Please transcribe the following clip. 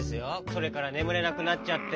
それからねむれなくなっちゃって。